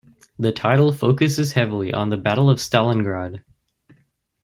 The title focuses heavily on the Battle of Stalingrad.